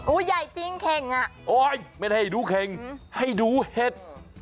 อุ้ยใหญ่จริงเค่งอ่ะไม่ได้ให้ดูเค่งให้ดูเห็ด